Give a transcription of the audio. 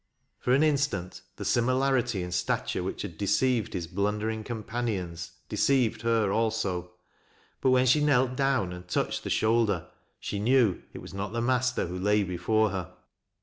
For an instant, the similarity in stature which had deceived his blundering companions, deceived her also ; but when she knelt down and touched the shoulder, she knew it was not the master who lay before her.